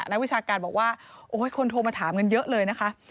นักวิชาการบอกว่าโอ้ยคนโทรมาถามกันเยอะเลยนะคะ